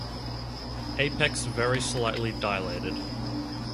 Apex very slightly dilated.